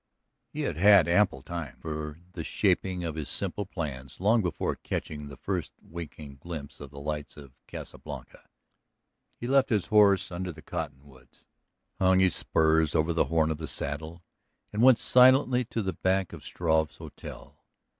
He had had ample time for the shaping of his simple plans long before catching the first winking glimpse of the lights of the Casa Blanca. He left his horse under the cottonwoods, hung his spurs over the horn of the saddle, and went silently to the back of Struve's hotel.